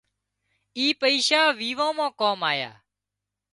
اي پئيشا ويوان مان ڪام آيا